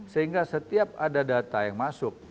sehingga setiap ada data yang masuk